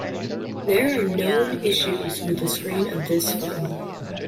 There are known issues with the screen of this phone.